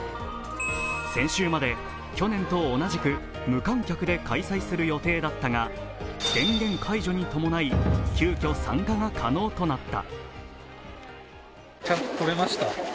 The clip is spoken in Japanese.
先週まで去年と同じく無観客で開催する予定だったが宣言解除に伴い、急きょ参加可能となった。